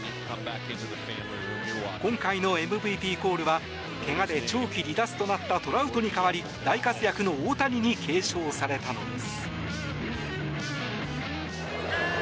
今回のＭＶＰコールは怪我で長期離脱となったトラウトに代わり大活躍の大谷に継承されたのです。